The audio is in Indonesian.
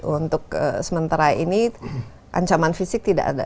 untuk sementara ini ancaman fisik tidak ada